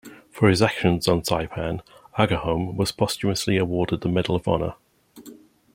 For his actions on Saipan, Agerholm was posthumously awarded the Medal of Honor.